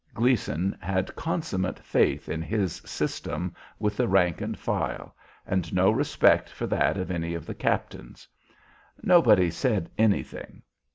Gleason had consummate faith in his "system" with the rank and file, and no respect for that of any of the captains. Nobody said anything.